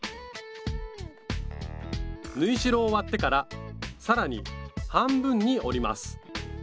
縫い代を割ってから更に半分に折ります